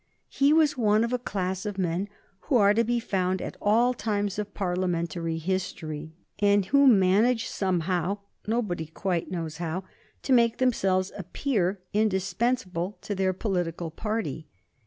He was one of a class of men who are to be found at all times of Parliamentary history, and who manage somehow, nobody quite knows how, to make themselves appear indispensable to their political party.